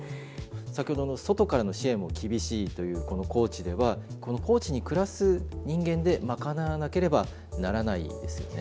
先ほどの外からの支援も厳しいというこの高知ではこの高知に暮らす人間で賄わなければならないですよね？